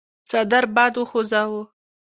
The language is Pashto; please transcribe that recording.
څادر باد وخوځاوه.